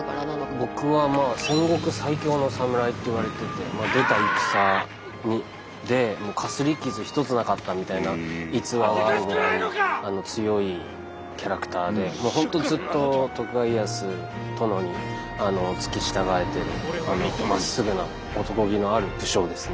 僕は戦国最強のサムライっていわれてて出た戦でかすり傷一つなかったみたいな逸話があるぐらい強いキャラクターで本当ずっと徳川家康殿に付き従えてるまっすぐな男気のある武将ですね。